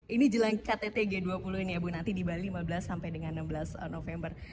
ini jelang ktt g dua puluh ini ya bu nanti di bali lima belas sampai dengan enam belas november